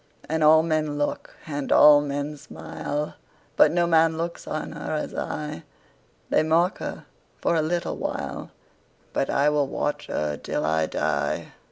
And all men look, and all men smile, But no man looks on her as I:They mark her for a little while, But I will watch her till I die.